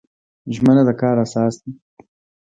ژمنه د کار اساس دی